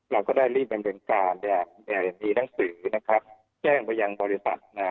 เราก็ได้รีบเป็นเป็นการแดดแดดดีทั้งสื่อนะครับแจ้งพยังบริษัทอ่า